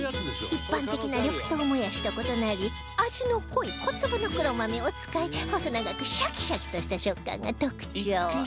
一般的な緑豆もやしと異なり味の濃い小粒の黒豆を使い細長くシャキシャキとした食感が特徴